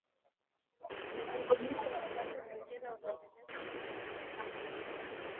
viazi lishe wakati mwingine hutengenezwa vinywaji vya aina mbalimbali